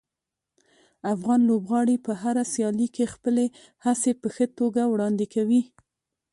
افغان لوبغاړي په هره سیالي کې خپلې هڅې په ښه توګه وړاندې کوي.